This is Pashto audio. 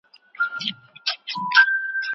د بدو سترګو مخ ته سپر د سپیلینيو درځم